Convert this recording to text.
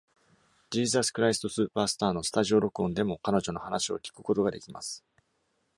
「Jesus Christ Superstar」のスタジオ録音でも、彼女の話を聞くことができます。